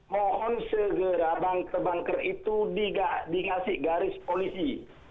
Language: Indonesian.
mohon segera bangker bangker itu dikasih garis polisi